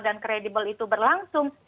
dan kredibel itu berlangsung